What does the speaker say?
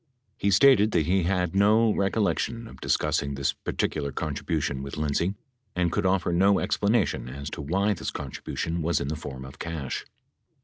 He stated that he had no recollection of discussing this par ticular contribution with Lindsay and could offer no explanation as to why this contribution was in the form of cash.